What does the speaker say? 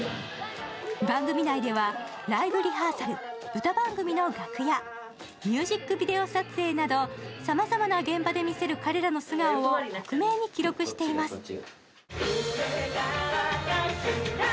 番組内ではライブリハーサル、歌組の楽屋、ミュージックビデオ撮影などさまざまな現場で見せる彼らの素顔を克明に記録しています。